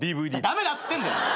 駄目だっつってんだよ。